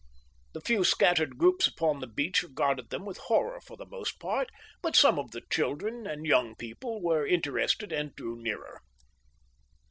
The few scattered groups upon the beach regarded them with horror for the most part, but some of the children and young people were interested and drew nearer.